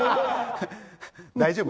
大丈夫？